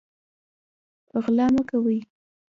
غلا مه کوئ